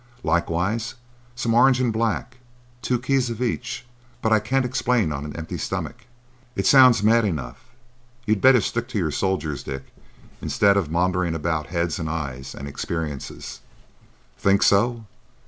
Likewise some orange and black,—two keys of each. But I can't explain on an empty stomach." "It sounds mad enough. You'd better stick to your soldiers, Dick, instead of maundering about heads and eyes and experiences." "Think so?"